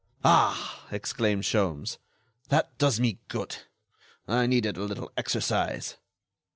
"Ah!" exclaimed Sholmes, "that does me good. I needed a little exercise."